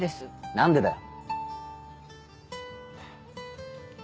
何でだよ！